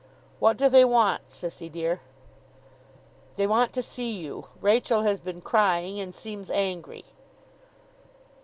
'What do they want, Sissy dear?' 'They want to see you. Rachael has been crying, and seems angry.